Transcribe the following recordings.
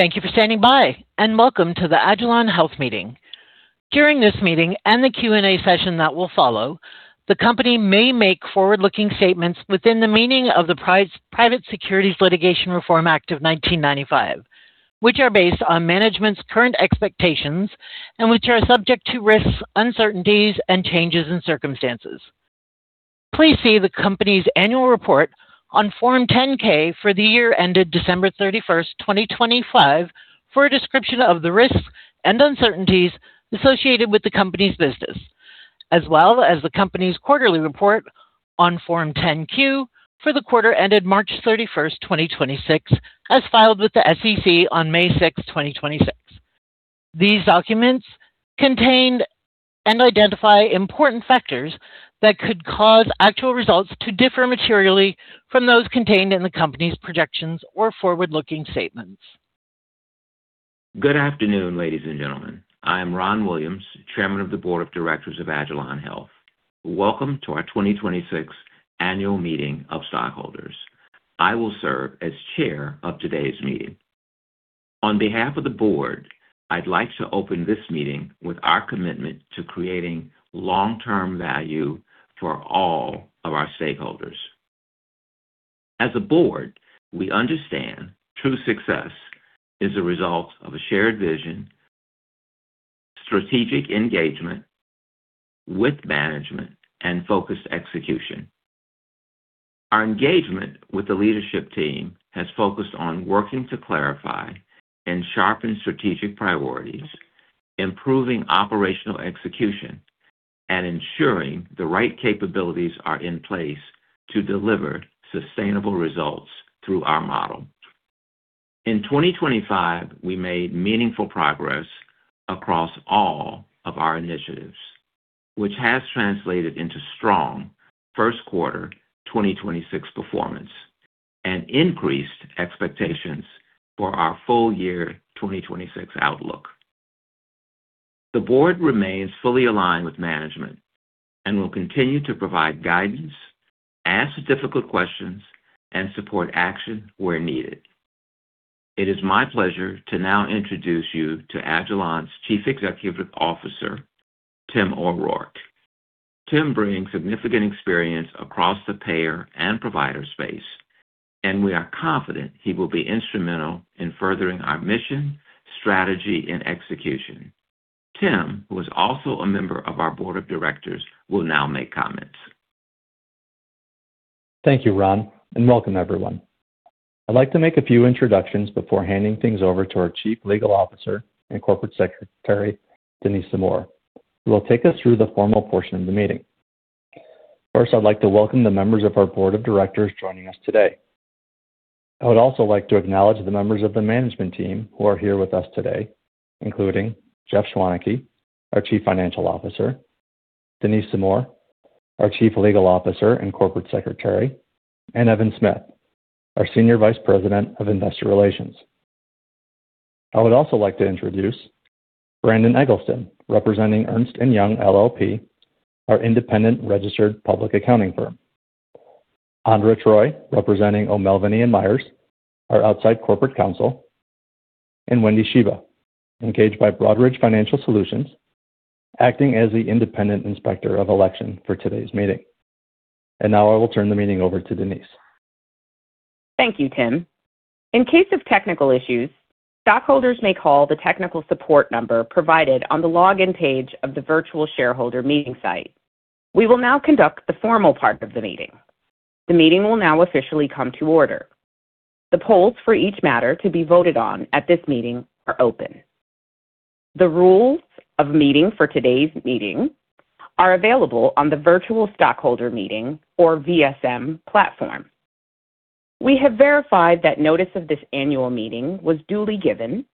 Thank you for standing by, and welcome to the agilon health meeting. During this meeting and the Q&A session that will follow, the company may make forward-looking statements within the meaning of the Private Securities Litigation Reform Act of 1995, which are based on management's current expectations and which are subject to risks, uncertainties, and changes in circumstances. Please see the company's annual report on Form 10-K for the year ended December 31st, 2025, for a description of the risks and uncertainties associated with the company's business, as well as the company's quarterly report on Form 10-Q for the quarter ended March 31st, 2026, as filed with the SEC on May 6th, 2026. These documents contain and identify important factors that could cause actual results to differ materially from those contained in the company's projections or forward-looking statements. Good afternoon, ladies and gentlemen. I am Ron Williams, Chairman of the Board of Directors of agilon health. Welcome to our 2026 annual meeting of stockholders. I will serve as chair of today's meeting. On behalf of the board, I'd like to open this meeting with our commitment to creating long-term value for all of our stakeholders. As a board, we understand true success is a result of a shared vision, strategic engagement with management, and focused execution. Our engagement with the leadership team has focused on working to clarify and sharpen strategic priorities, improving operational execution, and ensuring the right capabilities are in place to deliver sustainable results through our model. In 2025, we made meaningful progress across all of our initiatives, which has translated into strong first quarter 2026 performance and increased expectations for our full year 2026 outlook. The board remains fully aligned with management and will continue to provide guidance, ask difficult questions, and support action where needed. It is my pleasure to now introduce you to agilon health's Chief Executive Officer, Tim O'Rourke. Tim brings significant experience across the payer and provider space, and we are confident he will be instrumental in furthering our mission, strategy, and execution. Tim, who is also a member of our board of directors, will now make comments. Thank you, Ron, and welcome everyone. I'd like to make a few introductions before handing things over to our Chief Legal Officer and Corporate Secretary, Denise Zamore, who will take us through the formal portion of the meeting. First, I'd like to welcome the members of our board of directors joining us today. I would also like to acknowledge the members of the management team who are here with us today, including Jeff Schwaneke, our Chief Financial Officer, Denise Zamore, our Chief Legal Officer and Corporate Secretary, and Evan Smith, our Senior Vice President of Investor Relations. I would also like to introduce Brandon Eggleston, representing Ernst & Young LLP, our independent registered public accounting firm, Andra Troy, representing O'Melveny & Myers, our outside corporate counsel, and Wendy Shiba, engaged by Broadridge Financial Solutions, acting as the independent inspector of election for today's meeting. Now I will turn the meeting over to Denise. Thank you, Tim. In case of technical issues, stockholders may call the technical support number provided on the login page of the virtual stockholder meeting site. We will now conduct the formal part of the meeting. The meeting will now officially come to order. The polls for each matter to be voted on at this meeting are open. The rules of meeting for today's meeting are available on the Virtual Stockholder Meeting or VSM platform. We have verified that notice of this annual meeting was duly given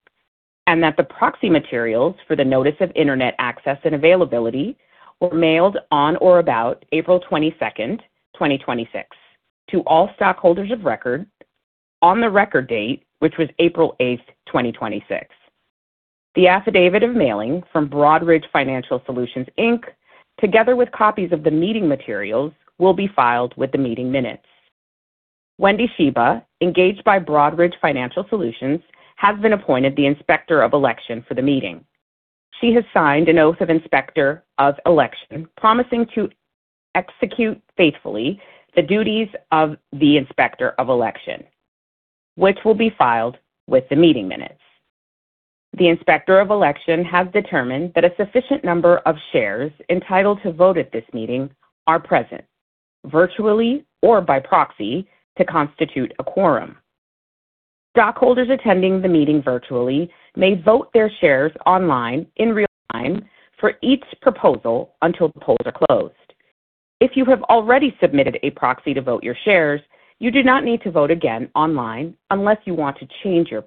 and that the proxy materials for the notice of internet access and availability were mailed on or about April 22nd, 2026, to all stockholders of record on the record date, which was April 8th, 2026. The affidavit of mailing from Broadridge Financial Solutions, Inc., together with copies of the meeting materials, will be filed with the meeting minutes. Wendy Shiba, engaged by Broadridge Financial Solutions, has been appointed the Inspector of Election for the meeting. She has signed an oath of Inspector of Election, promising to execute faithfully the duties of the Inspector of Election, which will be filed with the meeting minutes. The Inspector of Election has determined that a sufficient number of shares entitled to vote at this meeting are present, virtually or by proxy, to constitute a quorum. Stockholders attending the meeting virtually may vote their shares online in real-time for each proposal until the polls are closed. If you have already submitted a proxy to vote your shares, you do not need to vote again online unless you want to change your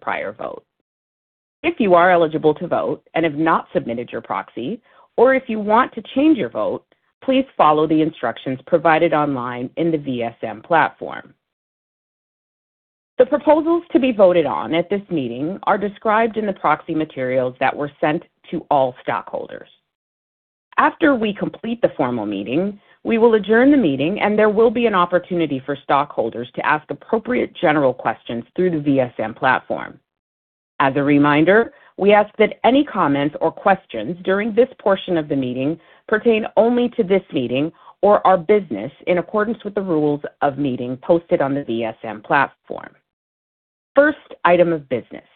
prior vote. If you are eligible to vote and have not submitted your proxy, or if you want to change your vote, please follow the instructions provided online in the VSM platform. The proposals to be voted on at this meeting are described in the proxy materials that were sent to all stockholders. After we complete the formal meeting, we will adjourn the meeting, and there will be an opportunity for stockholders to ask appropriate general questions through the VSM platform. As a reminder, we ask that any comments or questions during this portion of the meeting pertain only to this meeting or our business in accordance with the rules of meeting posted on the VSM platform. First item of business.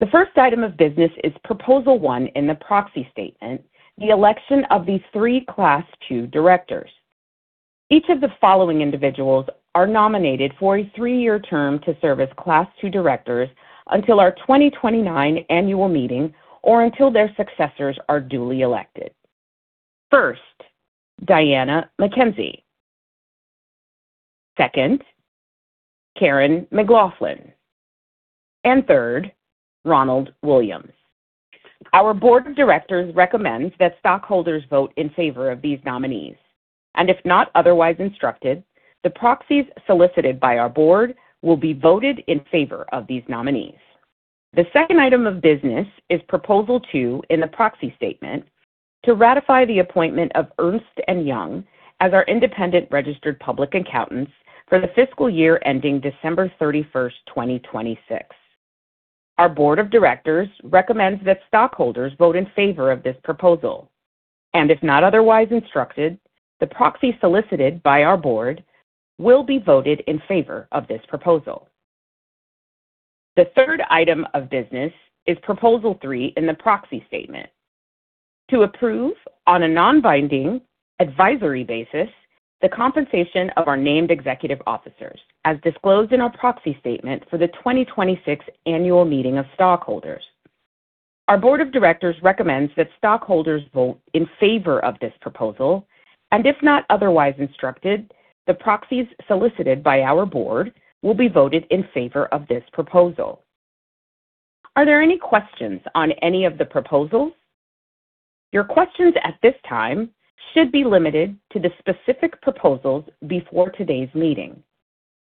The first item of business is proposal one in the proxy statement, the election of the three Class II directors. Each of the following individuals are nominated for a three-year term to serve as Class II directors until our 2029 annual meeting or until their successors are duly elected. First, Diana McKenzie. Second, Karen McLoughlin. Third, Ronald Williams. Our board of directors recommends that stockholders vote in favor of these nominees, and if not otherwise instructed, the proxies solicited by our board will be voted in favor of these nominees. The second item of business is proposal two in the proxy statement to ratify the appointment of Ernst & Young as our independent registered public accountants for the fiscal year ending December 31st, 2026. Our board of directors recommends that stockholders vote in favor of this proposal, and if not otherwise instructed, the proxy solicited by our board will be voted in favor of this proposal. The third item of business is proposal three in the proxy statement. To approve on a non-binding advisory basis the compensation of our named executive officers as disclosed in our proxy statement for the 2026 annual meeting of stockholders. Our board of directors recommends that stockholders vote in favor of this proposal, and if not otherwise instructed, the proxies solicited by our board will be voted in favor of this proposal. Are there any questions on any of the proposals? Your questions at this time should be limited to the specific proposals before today's meeting.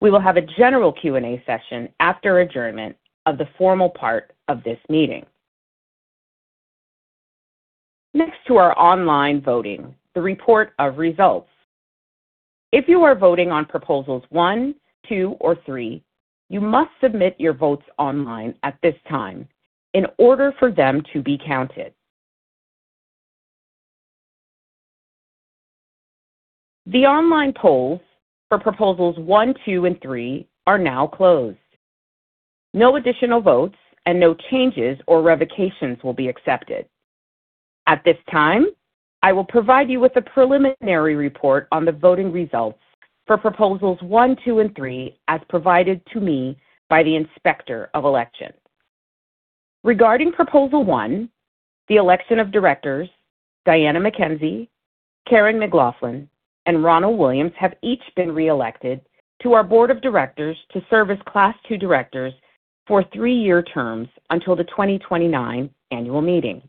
We will have a general Q&A session after adjournment of the formal part of this meeting. Next to our online voting, the report of results. If you are voting on proposals one, two, or three, you must submit your votes online at this time in order for them to be counted. The online polls for proposals one, two, and three are now closed. No additional votes and no changes or revocations will be accepted. At this time, I will provide you with a preliminary report on the voting results for proposals one, two, and three as provided to me by the Inspector of Election. Regarding proposal one, the election of directors, Diana McKenzie, Karen McLoughlin, and Ronald Williams have each been reelected to our board of directors to serve as Class II directors for three-year terms until the 2029 annual meeting.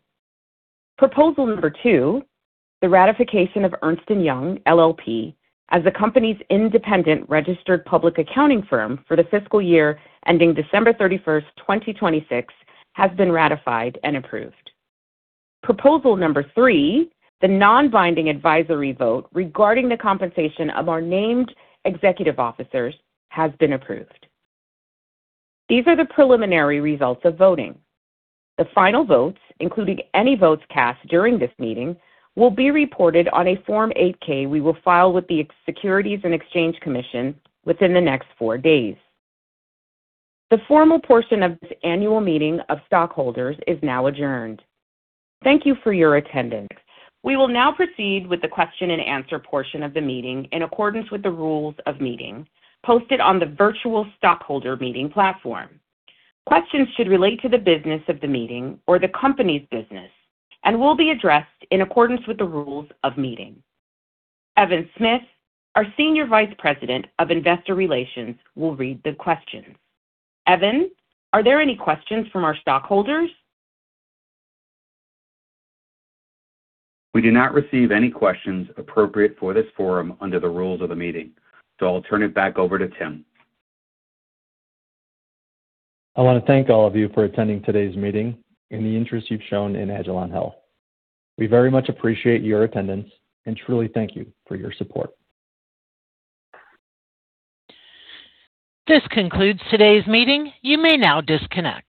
Proposal number two, the ratification of Ernst & Young LLP, as the company's independent registered public accounting firm for the fiscal year ending December 31st, 2026, has been ratified and approved. Proposal number three, the non-binding advisory vote regarding the compensation of our named executive officers, has been approved. These are the preliminary results of voting. The final votes, including any votes cast during this meeting, will be reported on a Form 8-K we will file with the Securities and Exchange Commission within the next four days. The formal portion of this annual meeting of stockholders is now adjourned. Thank you for your attendance. We will now proceed with the question and answer portion of the meeting in accordance with the rules of meeting posted on the virtual stockholder meeting platform. Questions should relate to the business of the meeting or the company's business and will be addressed in accordance with the rules of meeting. Evan Smith, our Senior Vice President of Investor Relations, will read the questions. Evan, are there any questions from our stockholders? We did not receive any questions appropriate for this forum under the rules of the meeting. I'll turn it back over to Tim. I want to thank all of you for attending today's meeting and the interest you've shown in agilon health. We very much appreciate your attendance and truly thank you for your support. This concludes today's meeting. You may now disconnect.